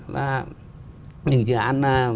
là những dự án